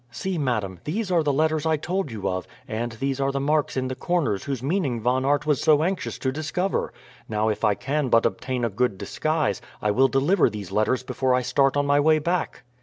See, madam, these are the letters I told you of, and these are the marks in the corners whose meaning Von Aert was so anxious to discover. Now, if I can but obtain a good disguise I will deliver these letters before I start on my way back."